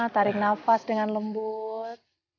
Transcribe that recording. tarik nafas dengan lembut